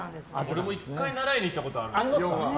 俺も１回習いに行ったことあるヨガ。